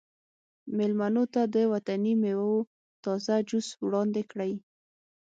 میلمنو ته د وطني میوو تازه جوس وړاندې کړئ